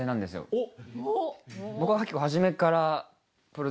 おっ。